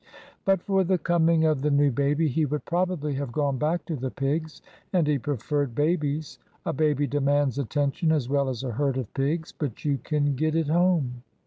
But for the coming of the new baby, he would probably have gone back to the pigs. And he preferred babies. A baby demands attention as well as a herd of pigs, but you can get it home.